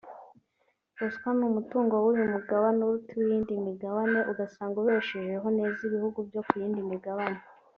ruswa n’umutungo w’uyu mugabane uruta uw’indi migabane ugasanga ubeshejeho neza ibihugu byo ku yindi migabane